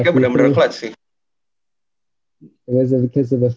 itu dia mereka bener bener clutch sih